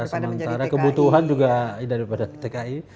sementara kebutuhan juga daripada tki